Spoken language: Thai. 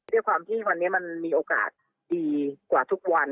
ด้วยความที่วันนี้มันมีโอกาสดีกว่าทุกวัน